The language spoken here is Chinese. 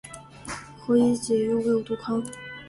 何以解忧，唯有杜康